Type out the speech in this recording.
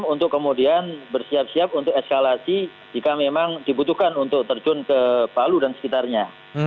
untuk kemudian bersiap siap untuk eskalasi jika memang dibutuhkan untuk terjun ke palu dan sekitarnya